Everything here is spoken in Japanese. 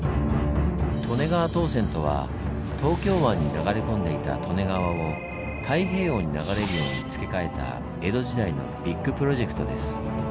「利根川東遷」とは東京湾に流れ込んでいた利根川を太平洋に流れるように付け替えた江戸時代のビッグプロジェクトです。